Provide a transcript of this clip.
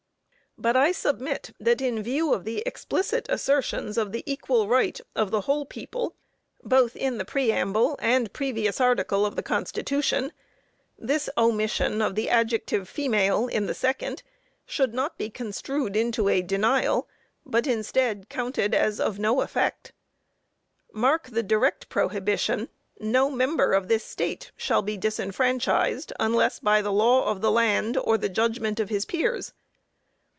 But I submit that in view of the explicit assertions of the equal right of the whole people, both in the preamble and previous article of the constitution, this omission of the adjective "female" in the second, should not be construed into a denial; but, instead, counted as of no effect. Mark the direct prohibition: "No member of this State shall be disfranchised, unless by the 'law of the land,' or the judgment of his peers."